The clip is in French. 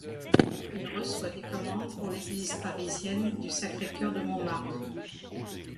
Il reçoit des commandes pour l'église parisienne du Sacré-Cœur de Montmartre.